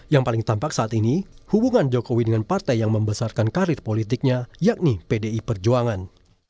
yang paling tampak saat ini hubungan jokowi dengan partai yang membesarkan karir politiknya yakni pdi perjuangan